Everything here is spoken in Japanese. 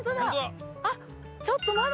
あっちょっとまだ。